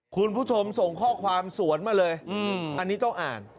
คุณผู้ชมส่งข้อความสวนมาเลยอันนี้ต้องอ่าน